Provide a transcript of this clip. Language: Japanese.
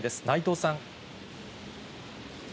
内藤さん。